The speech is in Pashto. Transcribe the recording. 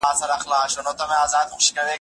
د منصب په لیونتوب یې، که ویده د غم په خوب یې